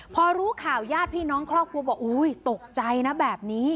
พอรู้ข่าวญาติพี่น้องครอบครัวบอกอุ้ยตกใจนะแบบนี้